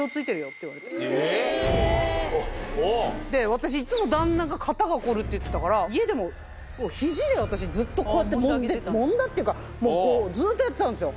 私いつも旦那が。って言ってたから家でも肘で私ずっとこうやってもんでもんだっていうかずっとやってたんですよ。